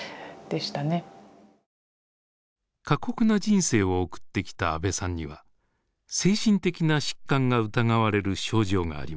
過酷な人生を送ってきた阿部さんには精神的な疾患が疑われる症状がありました。